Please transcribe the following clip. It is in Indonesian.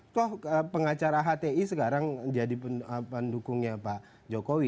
toh pengacara hti sekarang jadi pendukungnya pak jokowi